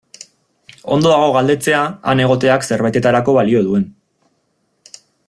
Ondo dago galdetzea han egoteak zerbaitetarako balio duen.